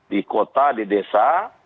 di kota di desa